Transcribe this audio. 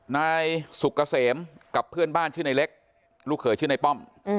นายสุกเกษมกับเพื่อนบ้านชื่อในเล็กลูกเขยชื่อในป้อม